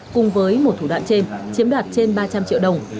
cùng với một thủ đoạn trên chiếm đoạt trên ba trăm linh triệu đồng